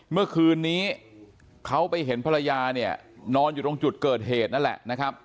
เมื่อคืนนี้เขาไปเห็นภรรยาเนี่ยนอนอยู่ตรงจุดเกิดเหตุนั่นแหละนะครับ